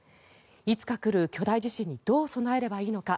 いつか来る巨大地震にどう備えればいいのか。